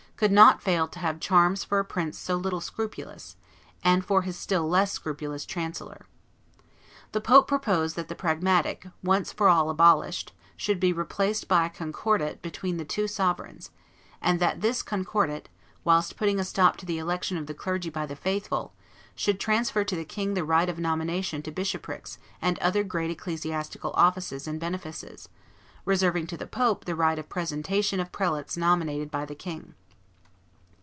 could not fail to have charms for a prince so little scrupulous, and for his still less scrupulous chancellor. The pope proposed that the Pragmatic, once for all abolished, should be replaced by a Concordat between the two sovereigns, and that this Concordat, whilst putting a stop to the election of the clergy by the faithful, should transfer to the king the right of nomination to bishoprics and other great ecclesiastical offices and benefices, reserving to the pope the right of presentation of prelates nominated by the king.